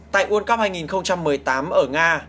tại world cup hai nghìn một mươi tám ở nga